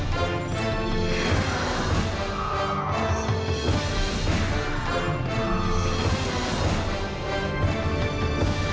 โปรดติดตามตอนต่อไป